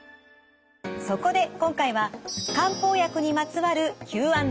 そこで今回は漢方薬にまつわるＱ＆Ａ。